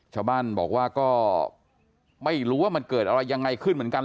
ชาวบ้านบอกว่าก็ไม่รู้ว่ามันเกิดอะไรยังไงขึ้นเหมือนกัน